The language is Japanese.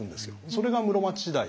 それが室町時代。